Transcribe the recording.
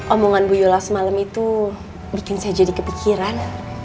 omongan bu yola semalam itu bikin saya jadi kepikiran